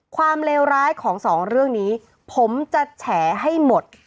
เลวร้ายของสองเรื่องนี้ผมจะแฉให้หมด